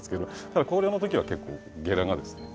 ただ校了のときは結構ゲラがですね